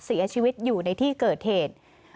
เสียชีวิตอยู่ในที่เกิดเหตุ